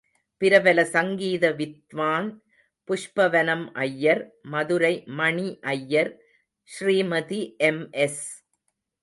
பிரபல சங்கீத வித்வான் புஷ்பவனம் அய்யர், மதுரை.மணி அய்யர், ஸ்ரீமதி எம்.எஸ்.